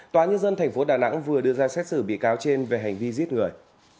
tòa nhân dân tp đà nẵng vừa đưa ra xét xử bị cáo trên về hành vi giết người